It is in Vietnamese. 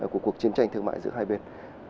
của cuộc chiến tranh thương mại giữa hai bên